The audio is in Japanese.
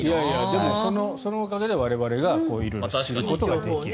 でも、そのおかげで我々が色々知ることができる。